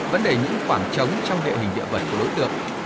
vẫn đầy những khoảng trống trong địa hình địa vật của đối tượng